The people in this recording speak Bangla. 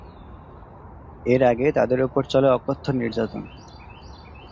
এর আগে তাঁদের ওপর চলে অকথ্য নির্যাতন।